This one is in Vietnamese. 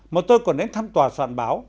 mà tôi còn đến thăm tòa soạn báo